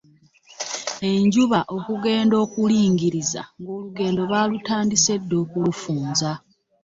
Enjuba okugenda okulingiriza ng'olugendo baalutandise dda okulufunza.